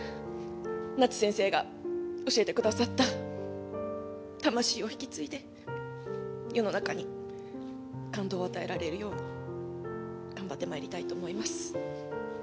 夏先生が教えてくださった魂を引き継いで、世の中に、感動を与えられるように頑張ってまいりたいと思っております。